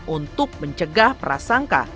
untuk mencegah prasangka